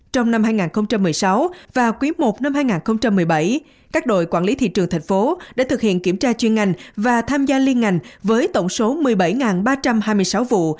trong năm hai nghìn một mươi sáu và quý i năm hai nghìn một mươi bảy các đội quản lý thị trường thành phố đã thực hiện kiểm tra chuyên ngành và tham gia liên ngành với tổng số một mươi bảy ba trăm hai mươi sáu vụ